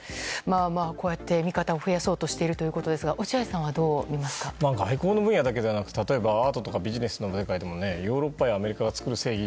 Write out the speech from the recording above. こうやって味方を増やそうとしているということですが外交の分野だけでなく例えばアートやビジネスの世界でもヨーロッパやアメリカが作る正義